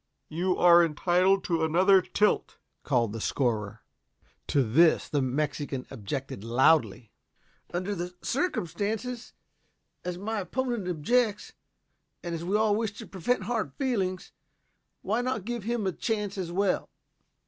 "You are entitled to another tilt," called the scorer. To this the Mexican objected loudly. "Under the circumstances, as my opponent objects, and as we all wish to prevent hard feelings, why not give him a chance as well?